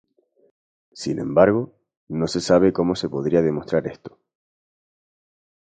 Sin embargo, no se sabe cómo se podría demostrar esto.